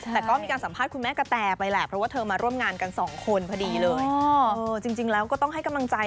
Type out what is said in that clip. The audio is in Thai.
แต่ก็มีการสัมภาษณ์คุณแม่กับแตไปแหละเพราะว่าเธอมาร่วมงานกันสองคนพะดีเลย